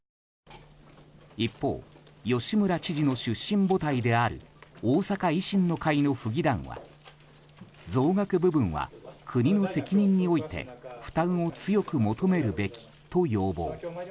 一方、吉村知事の出身母体である大阪維新の会の府議団は増額部分は国の責任において負担を強く求めるべきと要望。